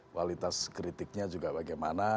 kualitas kritiknya juga bagaimana